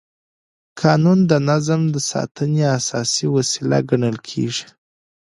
قانون د نظم د ساتنې اساسي وسیله ګڼل کېږي.